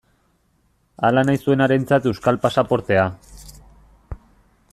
Hala nahi zuenarentzat euskal pasaportea.